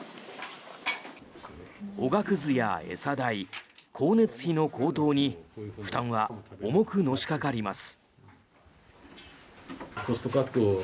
おがくずや餌代、光熱費の高騰に負担は重くのしかかります。